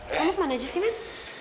kamu kemana aja sih men